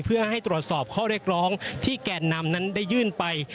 เพื่อให้ตรวจสอบข้อเรียกร้องที่แกนนำนั้นได้ยื่นไป